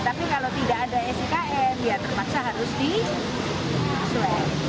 tapi kalau tidak ada sikm ya termaksa harus di web